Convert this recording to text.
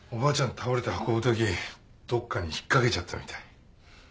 倒れて運ぶときどっかに引っ掛けちゃったみたい。